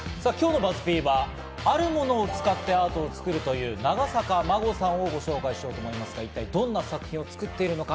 今日のＢＵＺＺ−Ｐはあるものを使ってアートを作るという長坂真護さんをご紹介しようと思いますが、一体どんな作品を作っているのか？